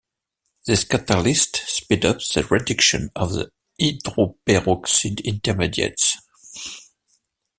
These catalysts speed up the reduction of the hydroperoxide intermediates.